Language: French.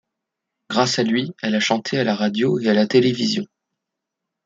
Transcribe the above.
Grâce à lui, elle a chanté à la radio et à la télévision.